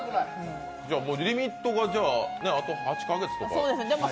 じゃあリミットがあと８か月とか？